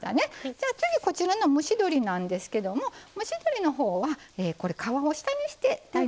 じゃあ次こちらの蒸し鶏なんですけども蒸し鶏のほうは皮を下にして耐熱容器に入れています。